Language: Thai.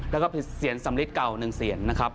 แล้วก็เป็นเศียรสำริดเก่าหนึ่งเศียรนะครับ